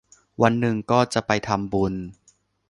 วันหนึ่งก็จะไปทำบุญ